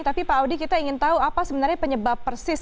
tapi pak audi kita ingin tahu apa sebenarnya penyebab persis